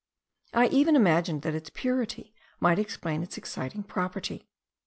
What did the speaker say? I even imagined that its purity might explain its exciting property.